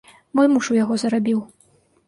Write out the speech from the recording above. Мой муж у яго зарабіў!